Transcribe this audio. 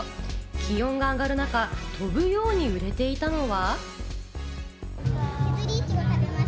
気温が上がる中、飛ぶように売れていたのは。